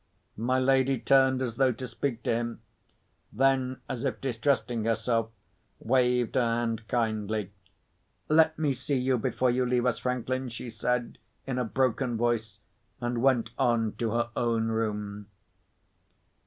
My lady turned as though to speak to him. Then, as if distrusting herself, waved her hand kindly. "Let me see you, before you leave us, Franklin," she said, in a broken voice—and went on to her own room.